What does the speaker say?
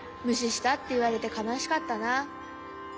「むしした」っていわれてかなしかったな。